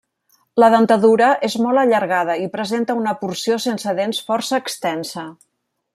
La dentadura és molt allargada, i presenta una porció sense dents força extensa.